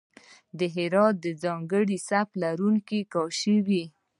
د هرات د ځانګړی سبک لرونکی کاشي وې.